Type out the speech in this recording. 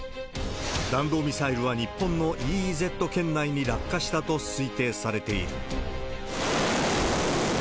弾道ミサイルは日本のＥＥＺ圏内に落下したと推定されている。